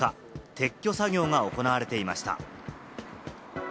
撤去作業が行われていました。